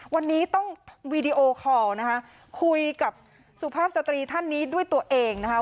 วันนี้ต้องวีดีโอคอลนะคะคุยกับสุภาพสตรีท่านนี้ด้วยตัวเองนะคะ